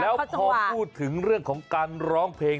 แล้วพอพูดถึงเรื่องของการร้องเพลง